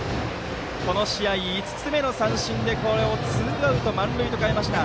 この試合、５つ目の三振でツーアウト、満塁と変えました。